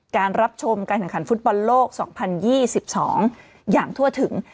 การรับชมการแข่งขันฟุตบอลโลก๒๐๒๒อย่างทั่วถึง